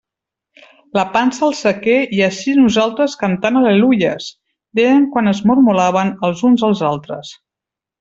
«La pansa al sequer i ací nosaltres cantant al·leluies!», deien que es mormolaven els uns als altres.